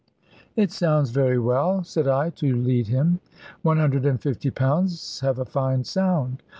"It sounds very well," said I, to lead him; "one hundred and fifty pounds have a fine sound."